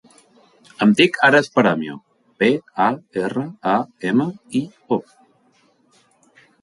Em dic Ares Paramio: pe, a, erra, a, ema, i, o.